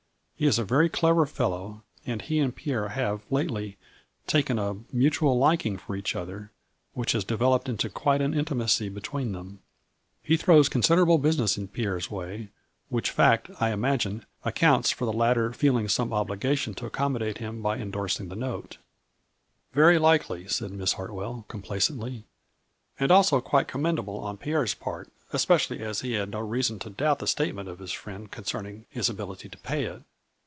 He is a very clever fellow, and he and Pierre have lately taken a mutual liking for each other, which has developed into quite an intimacy between them. He throws considerable busi ness in Pierre's way, which fact, I imagine, ac 156 A FLURRY IN DIAMONDS. counts for the latter feeling some obligation to accommodate him by indorsing the note." " Very likely," said Miss Hartwell, complac ently, " and also quite commendable on Pierre's part, especially as he had no reason to doubt the statement of his friend concerning his ability to pay it.